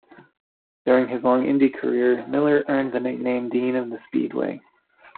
During his long Indy career, Miller earned the nickname Dean of the Speedway.